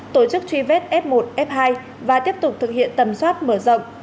tổ chức truy vết f một f hai và tiếp tục thực hiện tầm soát mở rộng